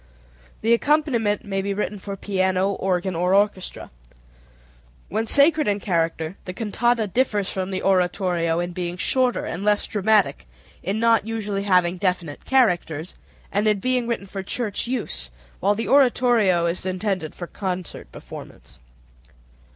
The accompaniment may be written for piano, organ, or orchestra. When sacred in character the cantata differs from the oratorio in being shorter and less dramatic, in not usually having definite characters, and in being written for church use, while the oratorio is intended for concert performance.